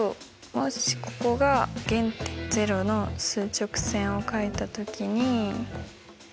もしここが原点０の数直線を書いた時に。